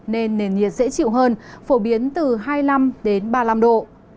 nên nền nhiệt dễ chịu hơn phổ biến từ hai mươi năm đến ba mươi năm độ